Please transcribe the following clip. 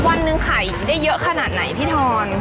วันนึงไขได้เยอะขนาดไหนพี่ธร